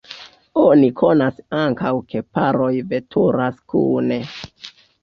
Oni konas ankaŭ, ke paroj veturas kune.